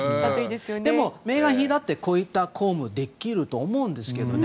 でも、メーガン妃だってこういった公務はできると思うんですけどね。